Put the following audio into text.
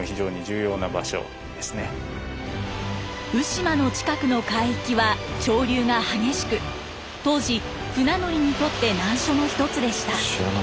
鵜島の近くの海域は潮流が激しく当時船乗りにとって難所の一つでした。